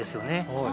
はい。